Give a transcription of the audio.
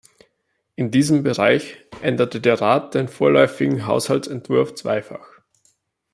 In diesem Bereich änderte der Rat den vorläufigen Haushaltsentwurf zweifach.